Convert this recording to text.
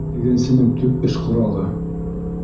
Тегенсенең төп эш ҡоралы?